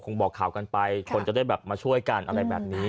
บอกข่าวกันไปคนจะได้แบบมาช่วยกันอะไรแบบนี้